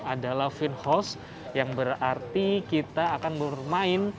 adalah finhouse yang berarti kita akan bermain